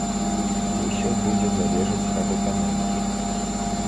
Усё будзе залежаць ад эканомікі.